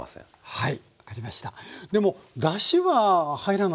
はい。